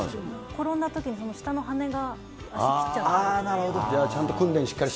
転んだときに、下の羽が、足切っちゃったり。